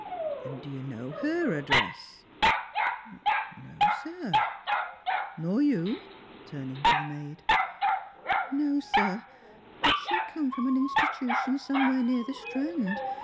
" Do you know her addreae P" " No, sir." " Nor jOTi ?" turning to the maid. "No, sir. But she came from an institution somewhere near the Strand.